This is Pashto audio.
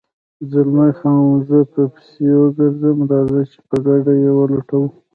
زلمی خان: زه به پسې وګرځم، راځه چې په ګډه یې ولټوو.